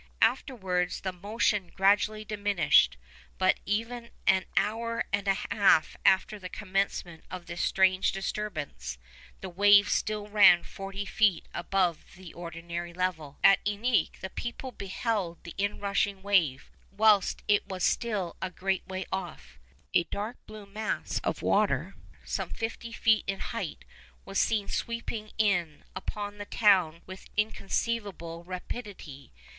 Afterwards the motion gradually diminished, but even an hour and a half after the commencement of this strange disturbance, the waves still ran forty feet above the ordinary level. At Iquique, the people beheld the inrushing wave whilst it was still a great way off. A dark blue mass of water, some fifty feet in height, was seen sweeping in upon the town with inconceivable rapidity.